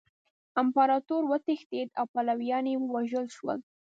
امپراطور وتښتید او پلویان یې ووژل شول.